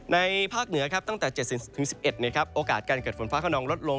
ภาคเหนือตั้งแต่๗๑๑โอกาสการเกิดฝนฟ้าขนองลดลง